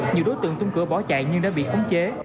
nhiều đối tượng tung cửa bỏ chạy nhưng đã bị khống chế